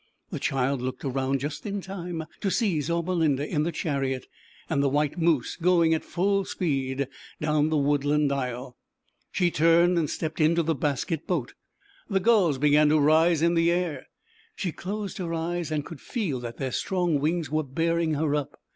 The child looked around just in time to see Zaub erlinda in the chariot and the White Moose going at full speed down the Woodland Aisle. She turned and stepped into the basket boat. The gulls began to rise in the air, she closed her eyes and could feel that their strong wings were bearing her up.